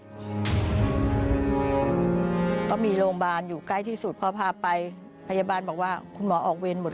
ก็มีโรงพยาบาลอยู่ใกล้ที่สุดพอพาไปพยาบาลบอกว่าคุณหมอออกเวรหมด